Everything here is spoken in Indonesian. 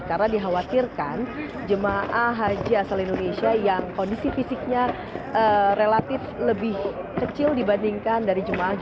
karena dikhawatirkan jemaah haji asal indonesia yang kondisi fisiknya relatif lebih kecil dibandingkan dari jemaah haji